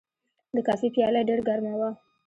د کافي پیاله ډېر ګرمه وه.